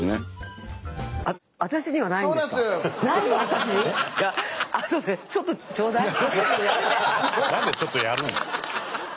何でちょっとやるんですか。